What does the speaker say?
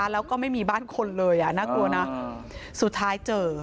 แล้วก็ไม่มีบ้านคนเลยน่ากลัวนะสุดท้ายเจอ